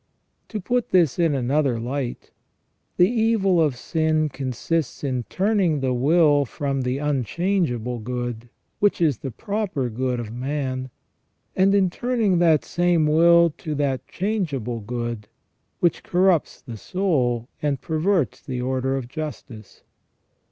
To put this in another hght, the evil of sin consists in turning the will from the unchangeable good, which is thfe proper good of man, and in turning that same will to that changeable good, which corrupts the soul and perverts the order of justice.